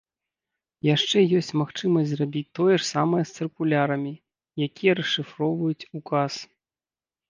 Яшчэ ёсць магчымасць зрабіць тое ж самае з цыркулярамі, якія расшыфроўваюць указ.